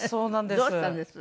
どうしたんです？